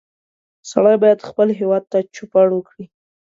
سړی باید خپل هېواد ته چوپړ وکړي